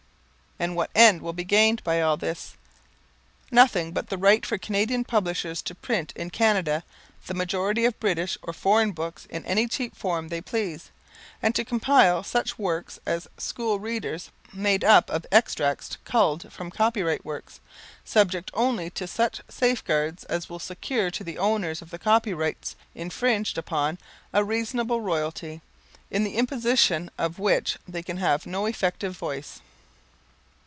And what end will be gained by all this? Nothing but the right for Canadian publishers to print in Canada the majority of British or foreign books in any cheap form they please, and to compile such works as School Readers made up of extracts culled from copyright works, subject only to such safeguards as will secure to the owners of the copyrights infringed upon a reasonable royalty, in the imposition of which they can have no effective voice.